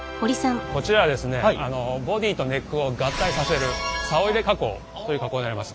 こちらはですねボディーとネックを合体させる棹入れ加工という加工になります。